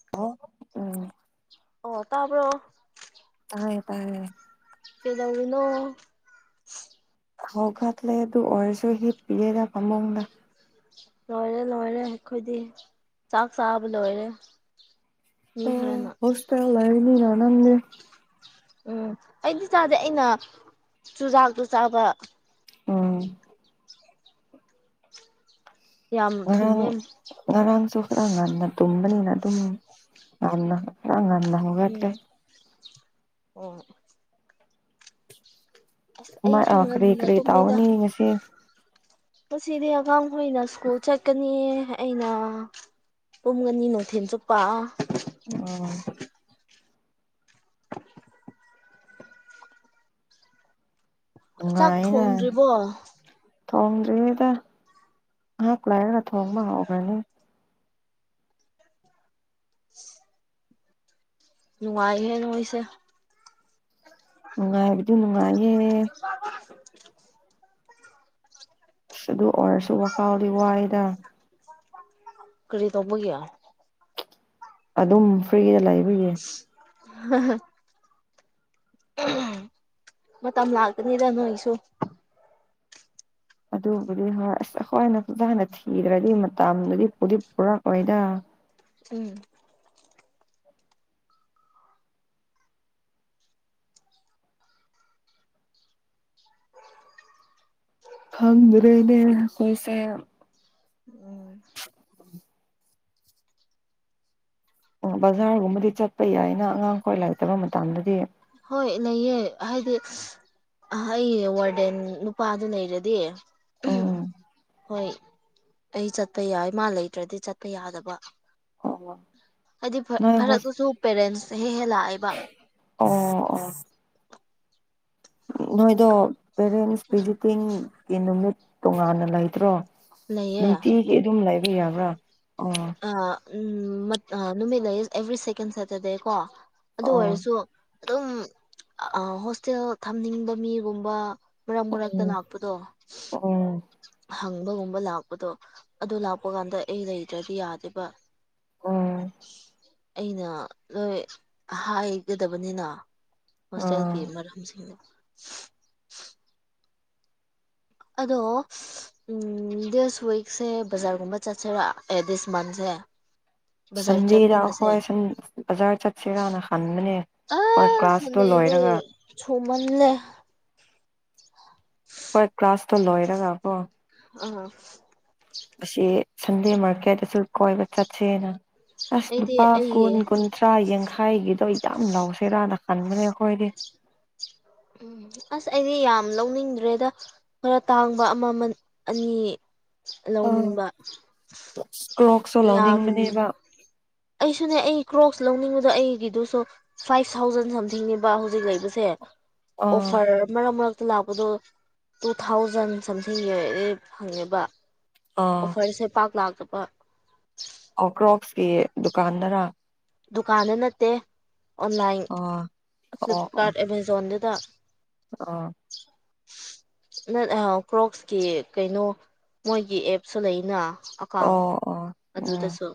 [unintelligible] ꯑꯣ ꯇꯥꯕ꯭ꯔꯣ ꯇꯥꯏꯌꯦ ꯇꯥꯏꯌꯦ ꯀꯩꯗꯧꯔꯤꯅꯣ ꯍꯧꯒꯠꯂꯦ ꯑꯗꯨ ꯑꯣꯔꯁꯨ ꯍꯤꯞꯄꯤꯌꯦꯗ ꯐꯃꯨꯡꯗ ꯂꯣꯏꯔꯦ ꯂꯣꯏꯔꯦ ꯑꯩꯈꯣꯏꯗꯤ ꯆꯥꯛ ꯆꯥꯕ ꯂꯣꯏꯔꯦ ꯃꯤ ꯑꯦ ꯈꯔꯅ ꯍꯣꯁꯇꯦꯜ ꯂꯩꯕꯅꯤꯅ ꯅꯪꯗꯤ ꯎꯝ ꯑꯩꯗꯤ ꯆꯥꯗꯦ ꯑꯩꯅ ꯆꯨꯖꯥꯛꯇꯨ ꯆꯥꯕ ꯎꯝ ꯌꯥꯝ ꯉꯔꯥꯡ ꯊꯨꯝꯃꯦ ꯉꯔꯥꯡꯁꯨ ꯈꯔ ꯉꯟꯅ ꯇꯨꯝꯕꯅꯤꯅ ꯑꯗꯨꯝ ꯉꯟꯅ ꯈꯔ ꯉꯟ ꯎꯝ ꯑꯣ ꯑꯁ ꯃꯥꯏ ꯑꯩꯁꯨ ꯑꯥ ꯀꯔꯤ ꯀꯔꯤ ꯇꯧꯔꯅꯤ ꯉꯁꯤ ꯑꯁꯤꯗꯤ ꯑꯉꯥꯡꯍꯣꯏꯅ ꯁ꯭ꯀꯨꯜ ꯆꯠꯀꯅꯤ ꯑꯩꯅ ꯇꯨꯝꯒꯅꯤ ꯅꯨꯡꯊꯤꯟ ꯆꯨꯞꯄ ꯑꯣ ꯆꯥꯛ ꯅꯨꯡꯉꯥꯏꯅ ꯊꯣꯡꯗ꯭ꯔꯤꯕꯣ ꯊꯣꯡꯗ꯭ꯔꯤꯗ ꯉꯩꯍꯥꯛ ꯂꯩꯔꯒ ꯊꯣꯡꯕ ꯍꯧꯒ꯭ꯔꯅꯤ ꯅꯨꯡꯉꯥꯏꯍꯦ ꯅꯣꯏꯁꯦ ꯅꯨꯡꯉꯥꯏꯕꯗꯤ ꯅꯨꯡꯉꯥꯏꯌꯦ ꯑꯁ ꯑꯗꯨ ꯑꯣꯏꯔꯁꯨ ꯋꯥꯈꯜꯗꯤ ꯋꯥꯏꯌꯦꯗ ꯀꯔꯤ ꯇꯧꯕꯒꯤ ꯑꯗꯨꯝ ꯐ꯭ꯔꯤꯗ ꯂꯩꯕꯒꯤ ꯍꯥ ꯍꯥ ꯎꯝ ꯃꯇꯝ ꯂꯥꯛꯀꯅꯤꯗ ꯅꯣꯏꯒꯤꯁꯨ ꯑꯗꯨꯕꯨꯗꯤ ꯍꯣꯏ ꯑꯁ ꯑꯈꯣꯏꯅ ꯐꯖꯅ ꯊꯤꯗ꯭ꯔꯗꯤ ꯃꯇꯝꯗꯨꯗꯤ ꯄꯨꯗꯤ ꯄꯨꯔꯛꯑꯣꯏꯗ ꯎꯝ ꯈꯪꯗ꯭ꯔꯦꯅꯦ ꯑꯩꯈꯣꯏꯁꯦ ꯎꯝ [inaudible] ꯑꯣ ꯕꯖꯥꯔꯒꯨꯝꯕꯗꯤ ꯆꯠꯄ ꯌꯥꯏꯅ ꯑꯉꯥꯡꯈꯣꯏ ꯂꯩꯇꯕ ꯃꯇꯝꯗꯗꯤ ꯍꯣꯏ ꯂꯩꯌꯦ ꯍꯥꯏꯗꯤ ꯑꯍꯩ ꯋꯥꯔꯗꯦꯟ ꯅꯨꯄꯥꯗꯨ ꯂꯩꯔꯗꯤ ꯎꯝ ꯍꯣꯏ ꯑꯩ ꯆꯠꯄ ꯌꯥꯏ ꯃꯥ ꯂꯩꯇ꯭ꯔꯗꯤ ꯆꯠꯄ ꯌꯥꯗꯕ ꯑꯣ ꯑꯗꯤ ꯐ ꯅꯣꯏ ꯍꯣꯁ ꯐꯔꯛꯇꯨꯁꯨ ꯄꯦꯔꯦꯟꯁ ꯍꯦ ꯍꯦꯛ ꯂꯥꯛꯑꯦꯕ ꯑꯣ ꯑꯣ ꯅꯣꯏꯗꯣ ꯄꯦꯔꯦꯟꯁ ꯄꯤꯖꯤꯇꯤꯡꯒꯤ ꯅꯨꯃꯤꯠ ꯇꯣꯉꯥꯟꯅ ꯂꯩꯇ꯭ꯔꯣ ꯅꯨꯡꯇꯤꯒꯤ ꯑꯗꯨꯝ ꯂꯩ ꯑꯥ ꯎꯝ ꯃꯠ ꯑꯥ ꯅꯨꯃꯤꯠ ꯂꯩꯌꯦ ꯑꯦꯚ꯭ꯔꯤ ꯁꯦꯀꯦꯟ ꯁꯦꯇꯔꯗꯦ ꯀꯣ ꯑꯗꯨ ꯑꯣ ꯑꯣꯏꯔꯁꯨ ꯑꯗꯨꯝ ꯑꯥ ꯍꯣꯁꯇꯦꯜ ꯊꯝꯅꯤꯡꯕ ꯃꯤꯒꯨꯝꯕ ꯃꯔꯛ ꯃꯔꯛꯇ ꯎꯝ ꯂꯥꯛꯄꯗꯣ ꯎꯝ ꯍꯪꯕꯒꯨꯝꯕ ꯂꯥꯛꯄꯗꯣ ꯑꯗꯨ ꯂꯥꯛ__ ꯄꯥ ꯒꯥꯟꯗ ꯑꯩ ꯂꯩꯇ꯭ꯔꯗꯤ ꯌꯥꯗꯦꯕ ꯎꯝ ꯑꯩꯅ ꯂꯣꯏ ꯍꯥꯏꯒꯗꯕꯅꯤꯅ ꯑꯥ ꯍꯣꯁꯇꯦꯜꯒꯤ ꯃꯔꯛ__ ꯎꯝ ꯁꯤꯡꯗꯣ ꯑꯗꯣ ꯎꯝ ꯗꯤꯁ ꯋꯤꯛꯁꯦ ꯕꯖꯥꯔꯒꯨꯝꯕ ꯆꯠꯁꯤꯔ ꯑꯦ ꯗꯤꯁ ꯃꯟꯁꯦ ꯕꯖꯥꯔ ꯁꯟꯗꯦꯗꯥ ꯆꯠꯃꯤꯟꯅꯁꯦ ꯑꯈꯣꯏ ꯁꯨꯝ ꯕꯖꯥꯔ ꯆꯠꯁꯤꯔꯥꯅ ꯍꯟꯕꯅꯦ ꯍꯣꯏ ꯀ꯭ꯂꯥꯁꯇꯣ ꯂꯣꯏꯔꯒ ꯁꯨꯝꯃꯟꯂꯦ ꯍꯣꯏ ꯀ꯭ꯂꯥꯁꯇꯣ ꯂꯣꯏꯔꯒ ꯀꯣ ꯑꯥ ꯑꯁꯤ ꯁꯟꯗꯦ ꯃꯥꯔꯀꯦꯠꯇꯁꯨ ꯀꯣꯏꯕ ꯆꯠꯁꯦꯅ ꯑꯁ ꯑꯩꯗꯤ ꯂꯨꯄꯥ ꯑꯩꯒꯤ ꯀꯨꯟ ꯀꯨꯟꯊ__ ꯇꯥ ꯌꯥꯡꯈꯩꯒꯤꯗꯣ ꯌꯥꯝ ꯂꯧꯁꯤꯔꯥꯅ ꯈꯟꯕꯅꯦ ꯑꯩꯈꯣꯏꯗꯤ ꯎꯝ ꯑꯁ ꯑꯩꯗꯤ ꯌꯥꯝ ꯂꯧꯅꯤꯡꯗ꯭ꯔꯦꯗ ꯈꯔ ꯇꯥꯡꯕ ꯑꯃꯥꯃꯟ ꯑꯅꯤ ꯑ ꯂꯧꯅꯤꯡꯕ ꯀ꯭ꯔꯣꯛꯁꯨ ꯌꯥꯝ__ ꯂꯧꯅꯤꯡꯕꯅꯦꯕ ꯑꯩꯁꯨꯅꯦ ꯑꯩ ꯀ꯭ꯔꯣꯛꯁ ꯂꯧꯅꯤꯡꯕꯗꯨ ꯑꯩꯒꯤꯗꯨꯁꯨ ꯐꯥꯏꯚ ꯊꯥꯎꯖꯟ ꯁꯝꯊꯤꯡꯅꯦꯕ ꯍꯧꯖꯤꯛ ꯂꯩꯕꯁꯦ ꯑꯥ ꯑꯣꯐꯔ ꯃꯔꯛ ꯃꯔꯛꯇ ꯂꯥꯛꯄꯗꯣ ꯇꯨ ꯊꯥꯎꯖꯟ ꯁꯝꯊꯤꯡꯒꯤꯗꯤ ꯐꯪꯉꯦꯕ ꯑꯥ ꯑꯣꯐꯔꯁꯦ ꯄꯥꯛ ꯂꯥꯛꯇꯄ ꯑꯣ ꯀ꯭ꯔꯣꯛꯁꯀꯤ ꯗꯨꯀꯥꯟꯗꯥꯔ ꯗꯨꯀꯥꯟꯗ ꯅꯠꯇꯦ ꯑꯣꯟꯂꯥꯏꯟ ꯑꯥ ꯑꯣ ꯐ꯭ꯂꯤꯞꯀꯥꯔꯠ ꯑꯦꯃꯥꯖꯣꯟꯗꯨꯗ ꯑꯣ ꯅꯠ ꯑꯥ ꯀ꯭ꯔꯣꯛꯁꯀꯤ ꯀꯩꯅꯣ ꯃꯣꯏꯒꯤ ꯑꯦꯞꯁꯨ ꯂꯩꯅ ꯑꯛ__ ꯀꯥꯎꯟ ꯑꯣ ꯑꯣ ꯎꯝ ꯑꯗꯨꯗꯁꯨ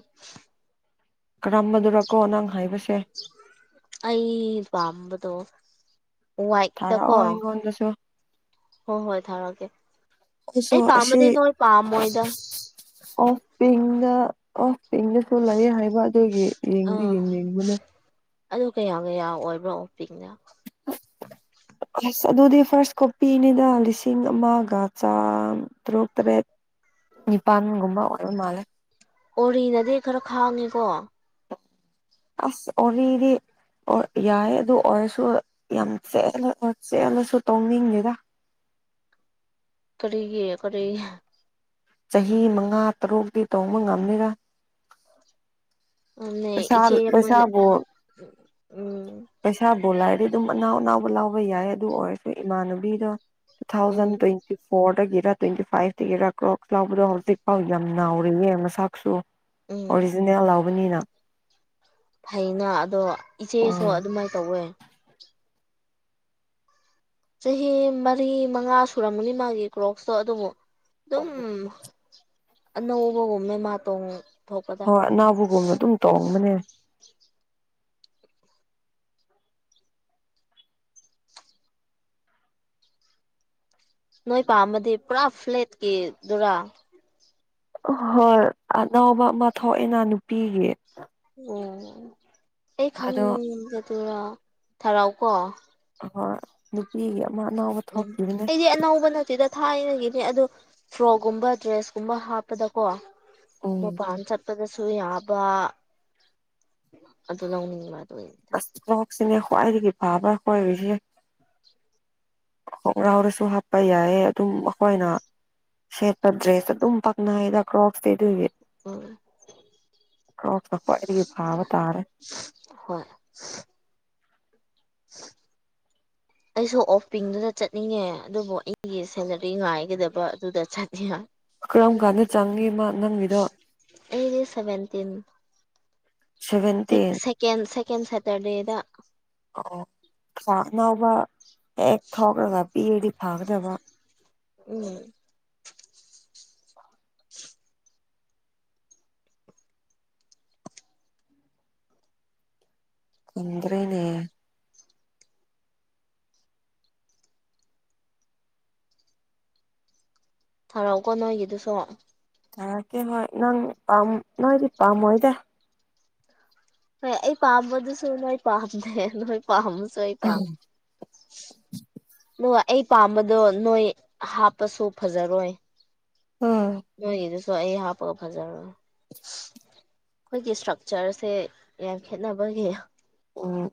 ꯀꯔꯝꯕꯗꯨꯔꯀꯣ ꯅꯪ ꯍꯥꯏꯕꯁꯦ ꯑꯩ ꯄꯥꯝꯕꯗꯣ ꯋꯥꯏꯠꯇ ꯀꯣ ꯀꯣꯟꯗꯁꯨ ꯍꯣ ꯍꯣꯏ ꯊꯥꯔꯛꯀꯦ ꯑꯩꯁꯨ ꯑꯩ ꯑꯁꯤ ꯄꯥꯝꯕꯗꯤ ꯅꯣꯏ ꯄꯥꯝꯃꯣꯏꯗ ꯑꯣꯐ ꯄꯤꯡꯗ ꯑꯣꯐ ꯄꯤꯡꯗꯁꯨ ꯂꯩꯌꯦ ꯍꯥꯏꯕ ꯑꯗꯨꯒꯤ ꯌꯦꯡꯗꯤ ꯑꯥ ꯌꯦꯡꯅꯤꯡꯕꯅꯦ ꯑꯗꯨ ꯀꯌꯥ ꯀꯌꯥ ꯑꯣꯏꯕ꯭ꯔꯣ ꯑꯣꯄꯤꯡꯅ ꯑꯁ ꯑꯗꯨꯗꯤ ꯐꯥꯔꯁ ꯀꯣꯄꯤꯅꯤꯗ ꯂꯤꯁꯤꯡ ꯑꯃꯒ ꯆꯥꯝꯇ꯭ꯔꯨꯛ ꯇ꯭ꯔꯦꯠ ꯅꯤꯄꯥꯟꯒꯨꯝꯕ ꯑꯣꯏꯕ ꯃꯥꯜꯂꯦ ꯑꯣꯔꯤꯅꯗꯤ ꯈꯔ ꯈꯥꯡꯉꯦꯀꯣ ꯑꯁ ꯑꯣꯏꯔꯤꯗꯤ ꯑꯣ ꯌꯥꯏ ꯑꯗꯨ ꯑꯣꯏꯔꯁꯨ ꯌꯥꯝ ꯆꯦꯠꯅ ꯑꯥ ꯆꯦꯠꯂꯁꯨ ꯇꯣꯡꯅꯤꯡꯗꯦꯗ ꯀꯔꯤꯒꯤ ꯀꯔꯤ ꯆꯍꯤ ꯃꯉꯥ ꯇꯔꯨꯛꯇꯤ ꯇꯧꯕ ꯉꯝꯅꯤꯔꯥ [unintelligible] ꯄꯩꯁꯥ ꯏꯆꯦ ꯑꯃꯗ ꯄꯩꯁꯥꯕꯨ ꯎꯝ ꯄꯩꯁꯥꯕꯨ ꯂꯩꯔꯗꯤ ꯑꯗꯨꯝ ꯑꯅꯥꯎ ꯑꯅꯥꯎꯕ ꯂꯥꯎꯕ ꯌꯥꯏ ꯑꯗꯨ ꯑꯣꯏꯔꯁꯨ ꯏꯃꯥꯟꯅꯕꯤꯗꯣ ꯎꯝ ꯊꯧꯖꯟ [unintelligible] ꯐꯣꯔꯗꯒꯤꯔ ꯇ꯭ꯋꯦꯟꯇꯤ ꯐꯥꯏꯚꯇꯒꯤꯔ ꯀ꯭ꯔꯣꯛꯁ ꯂꯥꯎꯕꯗꯣ ꯍꯧꯖꯤꯛ ꯐꯥꯎ ꯌꯥꯝ ꯅꯥꯎ ꯔꯤꯌꯦ ꯃꯁꯥꯛꯁꯨ ꯎꯝ ꯑꯣꯔꯤꯖꯤꯅꯦꯜ ꯂꯥꯎꯕꯅꯤꯅ ꯐꯩꯅ ꯑꯗꯣ ꯎꯝ ꯏꯆꯦꯁꯨ ꯑꯗꯨꯃꯥꯏꯅ ꯇꯧꯋꯦ ꯆꯍꯤ ꯃꯔꯤ ꯃꯉꯥ ꯁꯨꯔꯝꯒꯅꯤ ꯃꯥꯒꯤ ꯀ꯭ꯔꯣꯛꯁꯇꯣ ꯑꯗꯨꯕꯨ ꯑꯗꯨꯝ ꯑꯅꯧꯕꯒꯨꯝꯕ ꯃꯥꯇꯣꯡ ꯍꯣꯏ ꯑꯅꯥꯎꯕꯒꯨꯝꯕ ꯑꯗꯨꯝ ꯇꯣꯡꯕꯅꯦ ꯅꯣꯏ ꯄꯥꯝꯃꯗꯤ ꯄꯨꯔꯥ ꯐ꯭ꯂꯦꯠꯀꯤꯗꯨꯔꯥ ꯍꯣꯏ ꯑꯅꯥꯎꯕ ꯑꯃ ꯊꯣꯛꯑꯦꯅ ꯅꯨꯄꯤꯒꯤ ꯑꯝ ꯍꯦꯛ ꯑꯗꯣ ꯈꯪꯒꯗꯔ ꯊꯔꯥꯎꯀꯣ ꯑꯣꯏ ꯅꯨꯄꯤꯒꯤ ꯑꯃ ꯑꯅꯥꯎꯕ ꯊꯣꯛꯈꯤꯕꯗꯨꯅꯦ ꯁꯤ ꯑꯅꯥꯎꯕ ꯅꯠꯇꯦꯗ ꯊꯥꯏꯅꯒꯤꯅꯦ ꯑꯗꯨ ꯐ꯭ꯔꯣꯛꯀꯨꯝꯕ ꯗ꯭ꯔꯦꯁ ꯀꯨꯝꯕ ꯍꯥꯞꯄꯗꯀꯣ ꯎꯝ ꯃꯄꯥꯟ ꯆꯠ ꯆꯠꯂꯁꯨ ꯌꯥꯕ ꯑꯗꯨ ꯂꯧꯅꯤꯡꯉꯤꯕ ꯑꯗꯨ [unintelligible] ꯀꯔ꯭ꯤꯛꯁꯤꯅꯦ ꯈ꯭ꯋꯥꯏꯗꯒꯤ ꯐꯥꯕ꯭ꯔꯥ [unintelligible] ꯍꯣꯡꯒꯔꯥꯎꯗꯁꯨ ꯍꯥꯞꯄ ꯌꯥꯏꯌꯦ ꯑꯗꯨꯝ ꯑꯩꯈꯣꯏꯅ ꯁꯦꯠꯄꯥ ꯗ꯭ꯔꯦꯁ ꯑꯗꯨꯝ ꯄꯛꯅꯥꯥꯏꯗ ꯀ꯭ꯔꯣꯛꯁꯇꯤ ꯑꯗꯨꯏꯗꯤ [unintelligible] ꯀꯔꯣꯛꯁ ꯅꯥ ꯈꯋ꯭ꯥꯏꯗꯩꯩ ꯐꯕ ꯇꯥꯔꯦ [unintelligible] ꯍꯣꯏ [inaudible] ꯑꯩꯁꯨ ꯑꯣꯞ ꯄꯤꯡꯗꯨꯗ ꯆꯠꯅꯤꯡꯉꯦ ꯑꯗꯨꯕꯨ ꯑꯩꯒꯤ ꯁꯦꯂꯔꯤ ꯉꯥꯏꯒꯗꯕ ꯑꯗꯨꯗ ꯆꯠꯅꯤꯡ [unintelligible] ꯀꯔꯝ ꯀꯥꯟꯗ ꯆꯪꯉꯤ ꯃꯥ ꯅꯪꯒꯤꯗꯣ ꯑꯩꯗꯤ ꯁꯚꯦꯟꯇꯤꯟ ꯁꯚꯦꯟꯇꯤꯟ [unintelligible] ꯁꯦꯀꯦꯟ ꯁꯦꯇꯔꯗꯦꯗ ꯑꯣ ꯆꯥꯛ ꯑꯅꯥꯎꯕ ꯍꯦꯛ ꯊꯣꯛꯔꯥꯒ ꯄꯤꯔꯗꯤ ꯐꯒꯗꯕ ꯎꯝ ꯏꯟꯗꯔ꯭ꯦꯅꯦ ꯊꯔꯥꯎꯀꯣ ꯅꯣꯏꯒꯤꯗꯨꯁꯨ ꯊꯥꯔꯛꯀꯦ ꯍꯣꯏ ꯅꯪ ꯄꯥꯝ ꯅꯣꯏꯗꯤ ꯄꯥꯝꯃꯣꯏꯗꯦ ꯍꯣꯏ ꯑꯩ ꯄꯥꯝꯝꯕꯗꯨꯁꯨ ꯅꯣꯏ ꯄꯥꯝꯗꯦ ꯅꯣꯏ ꯄꯥꯝꯁꯨ ꯑꯩ ꯄꯥꯝ [unintelligible] ꯑꯩ ꯄꯥꯝꯕꯗꯣ ꯅꯣꯏ ꯍꯥꯞꯄꯁꯨ ꯐꯖꯔꯣꯏ [unintelligible] ꯅꯣꯏꯒꯤꯗꯨꯁꯨ ꯑꯩ ꯍꯥꯞꯄꯒ ꯐꯖꯔꯣꯏ [unintelligible] ꯑꯩꯈꯣꯏꯒꯤ ꯏꯁ꯭ꯇ꯭ꯔꯛꯆꯔꯁꯦ ꯌꯥꯝ ꯈꯦꯠꯅꯕꯒꯤ ꯎꯝ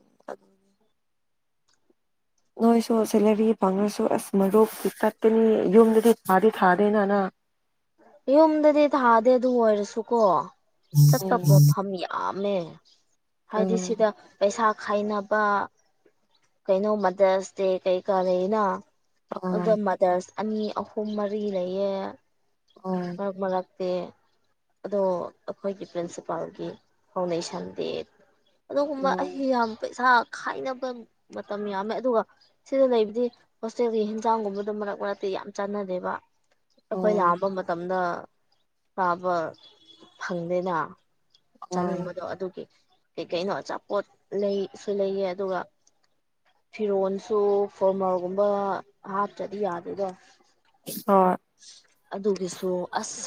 ꯅꯣꯏꯁꯨ ꯁꯦꯂꯔꯤ ꯐꯪꯉꯁꯨ ꯑꯁ ꯃꯔꯨꯞ ꯄꯤꯈꯠꯀꯅꯤ ꯌꯨꯝꯗꯗꯤ ꯊꯥꯗꯤ ꯊꯥꯗꯦ ꯅꯅ ꯌꯨꯝꯗꯗꯤ ꯊꯥꯗꯦ ꯑꯗꯨ ꯑꯣꯏꯔꯁꯨꯀꯣ ꯆꯠꯄ ꯎꯝ ꯄꯣꯠꯐꯝ [unintelligible] ꯌꯝꯃꯦ ꯍꯥꯏꯗꯤ ꯁꯤꯗ ꯄꯩꯁꯥ ꯈꯥꯏꯅꯕ ꯀꯩꯅꯣꯝꯃꯥꯗꯥ ꯁꯇ꯭ ꯌꯦꯛ ꯀꯩꯀꯥ ꯂꯩꯏꯅꯥ ꯎꯝ ꯑꯗꯨ ꯃꯥꯗꯔꯁ ꯑꯅꯤ ꯑꯍꯨꯝ ꯃꯔꯤ ꯂꯩꯌꯦ ꯑꯣꯏ ꯃꯥ ꯂꯥꯛꯇꯦ ꯑꯗꯣ ꯑꯩꯈꯣꯏꯒꯤ ꯄ꯭ꯔꯤꯟꯁꯤꯄꯥꯜꯒꯤ ꯐꯥꯎꯟꯗꯦꯁꯟ ꯗꯦ ꯑꯗꯨꯒꯨꯝꯕ ꯑꯩ ꯌꯥꯝ ꯄꯩꯁꯥ ꯈꯥꯏꯅꯕ ꯃꯇꯝ ꯌꯥꯝꯃꯦ ꯑꯗꯨꯒ ꯁꯤꯗ ꯂꯩꯕꯗꯤ ꯍꯣꯁꯇꯦꯜꯒꯤ ꯍꯦꯟꯖꯥꯡꯒꯨꯝꯕꯗꯣ ꯃꯔꯛ ꯃꯔꯛꯇꯤ ꯌꯥꯝ ꯆꯥꯟꯅꯗꯦꯕ ꯑꯩꯈꯣꯏ ꯎꯝ ꯎꯝ ꯂꯥꯛ ꯑꯗ ꯀꯥꯕ ꯐꯪꯗꯦꯅ ꯎꯝ ꯆꯥꯅꯤꯡꯕꯗꯣ ꯑꯗꯨꯒꯤ ꯀꯩ ꯀꯩꯅꯣ ꯑꯆꯥꯄꯣꯠ ꯂꯩꯁꯨ ꯂꯩꯌꯦ ꯑꯗꯨꯒ ꯐꯤꯔꯣꯜꯁꯨ ꯐꯣꯔꯃꯔꯒꯨꯝꯕ ꯍꯥꯞꯇ꯭ꯔꯗꯤ ꯌꯥꯗꯦꯗꯣ ꯍꯣꯏ ꯑꯗꯨꯒꯤꯁꯨ ꯑꯁ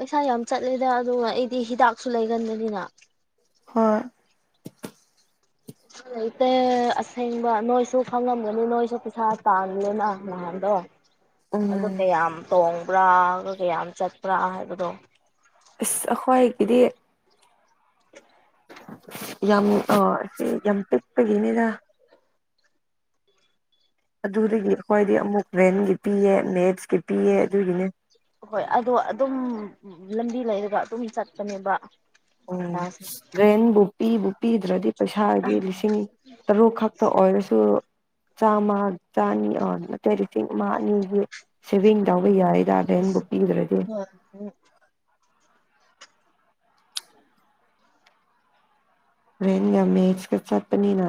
ꯄꯩꯁꯥ ꯌꯥꯝ ꯆꯠꯂꯦꯗ ꯑꯗꯨꯒ ꯑꯩꯗꯤ ꯍꯤꯗꯥꯛꯁꯨ ꯂꯩꯒꯟꯕꯅꯤꯅ ꯍꯣꯏ ꯁꯥ ꯂꯩꯇꯦ ꯑꯁꯦꯡꯕ ꯅꯣꯏꯁꯨ ꯈꯪꯂꯝꯒꯅꯤ ꯅꯣꯏꯁꯨ ꯄꯩꯁꯥ ꯇꯥꯡꯂꯦꯅ ꯅꯍꯥꯟꯗꯣ ꯎꯝ ꯑꯗꯨ ꯀꯌꯥꯝ ꯇꯣꯡꯕ꯭ꯔꯥ ꯀꯌꯥꯝ ꯆꯠꯄ꯭ꯔꯥ ꯍꯥꯏꯕꯗꯣ ꯏꯁ ꯑꯩꯈꯣꯏꯒꯤꯗꯤ ꯌꯥꯝ ꯑ ꯆꯤ ꯌꯥꯝ ꯄꯤꯛꯄꯒꯤꯅꯤꯗ ꯑꯗꯨꯗꯒꯤ ꯑꯩꯈꯣꯏꯗꯤ ꯑꯃꯨꯛ ꯄ꯭ꯔꯦꯟꯒꯤ ꯄꯤꯌꯦ ꯃꯦꯠꯁꯀꯤ ꯄꯤꯌꯦ ꯑꯗꯨꯒꯤꯅꯦ ꯍꯣꯏ ꯑꯗꯣ ꯑꯗꯨꯝ ꯂꯝꯕꯤ ꯂꯩꯔꯒ ꯑꯗꯨꯝ ꯆꯠꯄꯅꯦꯕ ꯎꯝ ꯄꯩꯁꯥꯁꯦ ꯔꯦꯟꯕꯨ ꯄꯤꯕꯨ ꯄꯤꯗ꯭ꯔꯗꯤ ꯄꯩꯁꯥꯗꯤ ꯂꯤꯁꯤꯡ ꯇꯔꯨꯛꯈꯛ ꯊ ꯑꯣꯏꯔꯁꯨ ꯆꯥꯝꯃ ꯆꯥꯅꯤ ꯑ ꯅꯠꯇꯦ ꯂꯤꯁꯤꯡ ꯑꯃ ꯑꯅꯤꯒꯤ ꯁꯦꯚꯤꯡ ꯇꯧꯕ ꯌꯥꯏ ꯌꯥ ꯔꯦꯟꯕꯨ ꯄꯤꯗ꯭ꯔꯗꯤ [unintelligible] ꯔꯦꯟꯒ ꯃꯦꯠꯁꯀ ꯆꯠꯄꯅꯤꯅ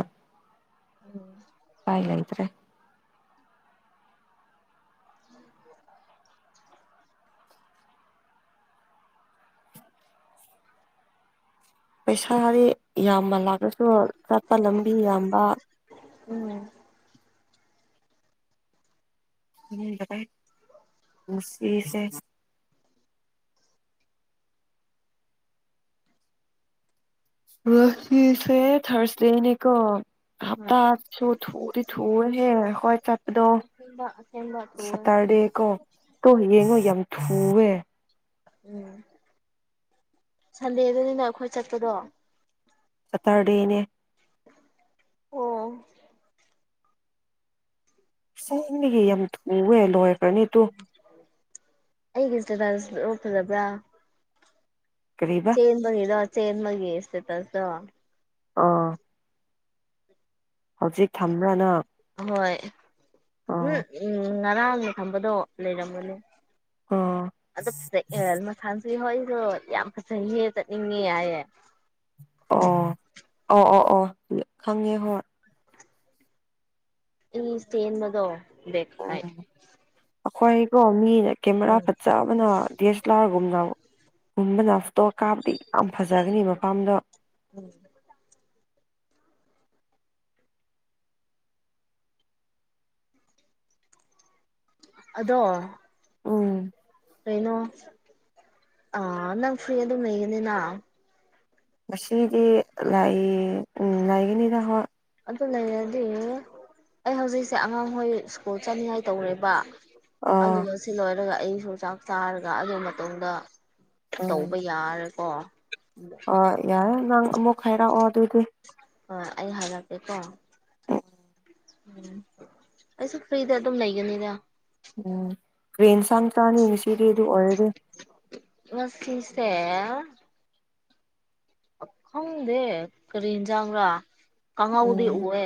ꯎꯝ ꯄꯥꯏ ꯂꯩꯇ꯭ꯔꯦ ꯄꯩꯁꯥꯗꯤ ꯌꯥꯝꯃ ꯂꯥꯛꯂꯁꯨ ꯆꯠꯄ ꯂꯝꯕꯤ ꯌꯥꯝꯕ ꯎꯝ ꯌꯦꯡꯒꯗꯥꯏ ꯄꯨꯁꯤꯁꯦ ꯉꯁꯤꯁꯦ ꯊꯥꯔꯁꯗꯦꯅꯦꯀꯣ ꯍꯣꯏ ꯍꯞꯇꯥ ꯁꯨ ꯊꯨꯗꯤ ꯊꯨꯋꯅꯤꯍꯦ ꯍꯣꯏ ꯆꯠ ꯁꯦꯝꯕꯥ ꯑꯁꯦꯝꯕꯥ ꯇꯨꯋꯦ ꯇꯨ ꯌꯦꯡꯉꯣ ꯌꯥꯝ ꯊꯨꯋꯦ ꯎꯝ ꯁꯟꯗꯦꯗꯅꯤꯅ ꯑꯩꯈꯣꯏ ꯆꯠꯄꯗꯣ ꯁꯠꯇꯔꯗꯦꯅꯦ ꯑꯣ ꯁꯦꯡꯕꯤꯒꯤ ꯌꯥꯝ ꯊꯨꯋꯦ ꯂꯣꯏꯈ꯭ꯔꯅꯤ ꯇꯨ ꯑꯩꯒꯤ ꯏꯟꯁꯇ꯭ꯔꯥꯝ ꯁ꯭ꯔꯣ ꯐꯖꯕ꯭ꯔꯥ ꯀꯔꯤ ꯆꯦꯟꯕꯒꯤꯔꯣ ꯆꯦꯟꯕꯒꯤ ꯏꯁꯇꯦꯇꯁꯇꯣ ꯑꯥ ꯍꯧꯖꯤꯛ ꯊꯝꯕ꯭ꯔꯥ ꯅꯪ ꯍꯣꯏ ꯎꯝ ꯉꯔꯥꯡꯅ ꯊꯝꯕꯗꯣ ꯂꯩꯔꯝꯕꯅꯦ ꯑꯣ ꯑꯗꯨ ꯐꯖ ꯑꯦ ꯃꯁꯥꯟꯁꯨ ꯍꯣꯏꯁꯨ ꯌꯥꯝ ꯐꯖꯩꯍꯦ ꯆꯠꯅꯤꯡꯉꯦ ꯍꯥꯏꯌꯦ ꯑꯣ ꯑꯣ ꯑꯣ ꯑꯣ ꯈꯪꯉꯦ ꯍꯣꯏ ꯏ ꯁ꯭ꯇꯦꯟ ꯕꯗꯣ [unintelligible] ꯎꯝ ꯑꯩꯈꯣꯏꯀꯣ ꯃꯤꯅ ꯀꯦꯃꯦꯔꯥ ꯑꯪ ꯐꯖꯕꯅꯥ ꯗꯤꯁ ꯂꯥꯔꯒꯨꯝꯅ ꯒꯨꯝꯕꯅ ꯐꯣꯇꯣ ꯀꯥꯞꯗꯤ ꯌꯥꯝ ꯐꯖꯒꯅꯤ ꯃꯄꯥꯝꯗꯣ ꯎꯝ ꯑꯗꯣ ꯎꯝ ꯀꯩꯅꯣ ꯑꯥ ꯅꯪ ꯐ꯭ꯔꯤ ꯑꯗꯨꯝ ꯂꯩꯒꯅꯤꯅ ꯉꯁꯤꯗꯤ ꯂꯥꯏ ꯉꯥꯏꯒꯅꯤꯗ ꯍꯣꯏ ꯑꯗꯨ ꯂꯩꯔꯗꯤ ꯑꯩ ꯍꯧꯖꯤꯛꯁꯦ ꯑꯉꯥꯡꯍꯣꯏ ꯁ꯭ꯀꯨꯜ ꯆꯠꯅꯤꯡꯉꯥꯏ ꯇꯧꯔꯦꯕ ꯑꯥ ꯑꯗꯨꯅ ꯁꯤ ꯂꯣꯏꯔꯒ ꯑꯩꯁꯨ ꯆꯥꯛ ꯆꯥꯔꯒ ꯑꯗꯨ ꯃꯇꯨꯡꯗ ꯎꯝ ꯇꯧꯕ ꯌꯥꯔꯦꯀꯣ ꯍꯣꯏ ꯌꯥꯔ ꯅꯪ ꯑꯃꯨꯛ ꯍꯥꯏꯔꯛꯑꯣ ꯗꯨꯗꯤ ꯍꯣ ꯑꯩ ꯍꯥꯏꯔꯛꯀꯦꯀꯣ ꯎꯝ ꯑꯩꯁꯨ ꯐ꯭ꯔꯤꯗ ꯑꯗꯨꯝ ꯂꯩꯒꯅꯤꯗ ꯎꯝ ꯀ꯭ꯔꯤ ꯍꯦꯟꯁꯥꯡ ꯆꯥꯅꯤ ꯉꯁꯤꯗꯤ ꯑꯗꯨ ꯑꯣꯏꯔꯗꯤ ꯉꯁꯤꯁꯦ ꯈꯪꯗꯦ ꯀꯔꯤ ꯍꯦꯟꯖꯥꯡꯔꯥ ꯀꯥꯡꯉꯧꯗꯤ ꯎꯝ ꯎꯋꯦ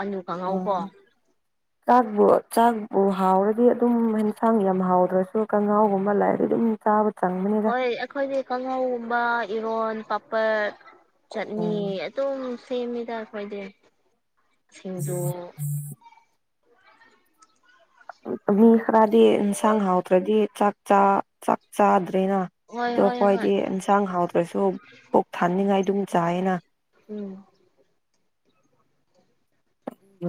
ꯑꯂꯨ ꯀꯥꯡꯉꯧ ꯀꯣ [inaudible] [inaudible] ꯆꯥꯛꯕꯨ ꯆꯥꯛꯄꯨ ꯍꯥꯎꯔꯗꯤ ꯑꯗꯨꯝ ꯍꯦꯟꯁꯥꯡ ꯌꯥꯝ ꯍꯥꯎꯗ꯭ꯔꯁꯨ ꯀꯥꯡꯍꯥꯎꯒꯨꯝꯕ ꯂꯦꯔꯗꯤ ꯑꯗꯨꯝ ꯆꯥꯕ ꯆꯪꯕꯅꯤꯗ ꯍꯣꯏ ꯑꯩꯈꯣꯏꯗꯤ ꯀꯥꯡꯍꯧꯒꯨꯝꯕ ꯏꯔꯣꯟ ꯄꯥꯄꯔ ꯆꯠꯅꯤ ꯑꯗꯨꯝ ꯁꯦꯝꯃꯤꯗ ꯑꯩꯈꯣꯏꯗꯤ ꯁꯤꯡꯖꯨ ꯃꯤ ꯈꯔꯗꯤ ꯍꯤꯟꯁꯥꯡ ꯍꯥꯎꯇ꯭ꯔꯗꯤ ꯆꯥꯛ ꯆꯥ ꯆꯥꯛ ꯆꯥꯗ꯭ꯔꯦꯅꯥ ꯍꯣꯏ ꯗꯣ ꯍꯣꯏ ꯍꯣꯏ ꯈꯣꯏꯗꯤ ꯍꯤꯟꯁꯥꯡ ꯍꯥꯎꯇ꯭ꯔꯁꯨ ꯄꯨꯛ ꯊꯟꯅꯤꯡꯉꯥꯏ ꯑꯗꯨꯝ ꯆꯥꯏꯌꯦꯅꯥ ꯎꯝ [unintelligible]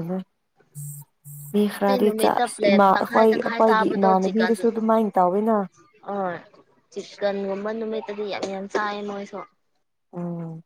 ꯃꯤ ꯑꯇꯩ ꯈꯔꯗꯤ ꯅꯨꯃꯤꯠꯇ ꯆꯥꯛꯁ ꯄ꯭ꯂꯦꯠ ꯏꯃꯥ ꯑꯩꯈꯣꯏ ꯇꯪꯈꯥꯏ ꯇꯪꯈꯥꯏ ꯑꯩꯈꯣꯏꯒꯤ ꯆꯥꯕꯗꯣ ꯏꯃꯥꯟꯅꯕꯤꯗꯨꯁꯨ ꯑꯗꯨꯝꯃꯥꯏꯟ ꯇꯧꯋꯦꯅꯥ ꯑꯣꯏ ꯆꯤꯛꯀꯟꯒꯨꯝꯕ ꯅꯨꯃꯤꯠꯇꯗꯤ ꯌꯥꯝ ꯌꯥꯝ ꯆꯥꯏꯌꯦ ꯃꯣꯏꯁꯨ ꯎꯝ